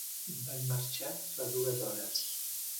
Van marxar fa dues hores!